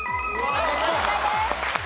正解です。